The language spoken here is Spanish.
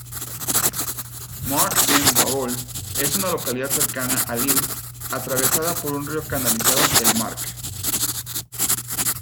Marcq-en-Barœul es una localidad cercana a Lille, atravesada por un río canalizado, el Marque.